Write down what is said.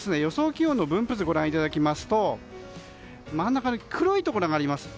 気温の分布図をご覧いただきますと真ん中に黒いところがあります。